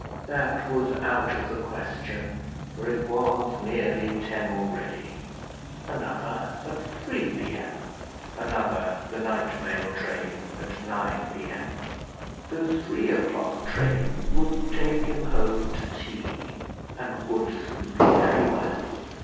That was out of the question, for it was nearly ten already. Another at 3 P.M.; another, the night mail train, at 9 P.M. The three o'clock train would take him home to tea, and would suit very well.